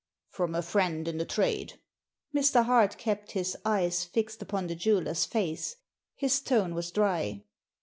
" From a friend in the trade." Mr. Hart kept his eyes fixed upon the jeweller's face. His tone was dry.